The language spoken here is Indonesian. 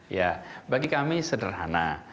ya bagi kami sederhana